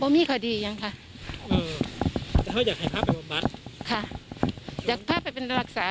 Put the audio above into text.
มันฝากไว้ลุงทางน้ำเหนาะ